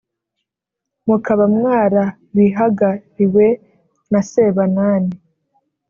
Mukaba mwarabihagariwe; na sebanani